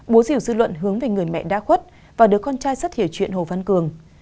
bố rìu dư luận hướng về người mẹ đã khuất và đứa con trai rất hiểu chuyện hồ văn cường